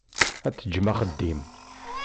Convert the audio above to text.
Ad teǧǧem axeddim.